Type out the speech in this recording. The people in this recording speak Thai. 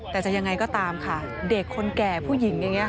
แต่จะยังไงก็ตามค่ะเด็กคนแก่ผู้หญิงอย่างนี้ค่ะ